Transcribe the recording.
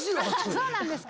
そうなんですか？